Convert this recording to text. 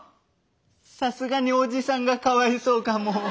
さすがにおじさんがかわいそうかも。